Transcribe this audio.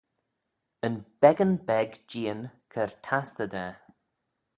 Yn beggan beg jeein cur tastey da.